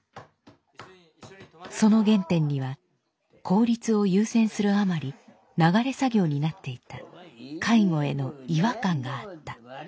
その原点には「効率」を優先するあまり流れ作業になっていた介護への違和感があった。